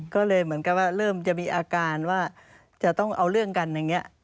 ก็เลยเหมือนกับว่าเริ่มจะมีอาการว่าจะต้องเอาเรื่องกันอย่างนี้